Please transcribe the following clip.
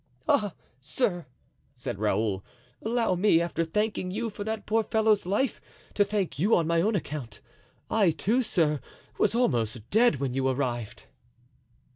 "Ah! sir!" said Raoul, "allow me, after thanking you for that poor fellow's life, to thank you on my own account. I too, sir, was almost dead when you arrived."